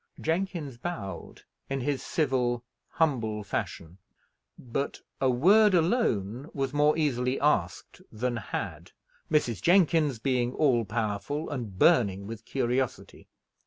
Jenkins bowed, in his civil, humble fashion; but "a word alone" was more easily asked than had, Mrs. Jenkins being all powerful, and burning with curiosity.